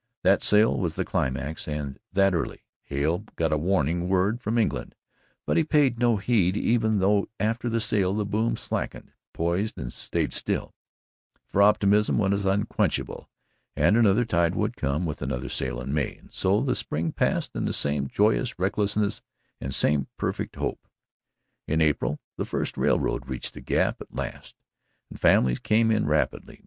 That sale was the climax and, that early, Hale got a warning word from England, but he paid no heed even though, after the sale, the boom slackened, poised and stayed still; for optimism was unquenchable and another tide would come with another sale in May, and so the spring passed in the same joyous recklessness and the same perfect hope. In April, the first railroad reached the Gap at last, and families came in rapidly.